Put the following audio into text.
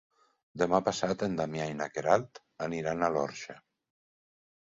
Demà passat en Damià i na Queralt aniran a l'Orxa.